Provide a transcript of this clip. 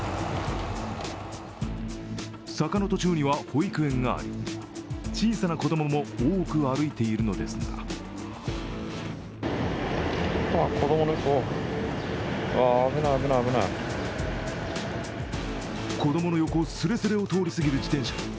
坂の途中には保育園があり、小さな子供も多く歩いているのですが子供の横すれすれを通り過ぎる自転車。